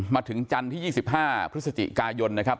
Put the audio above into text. มาถึงจันทร์ที่๒๕พฤศจิกายนนะครับ